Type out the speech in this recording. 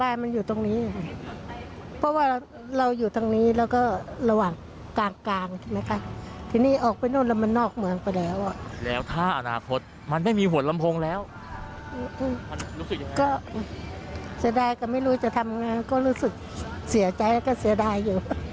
อยากให้เขาเก็บหัวลำโพงเอาไว้ต่อไหม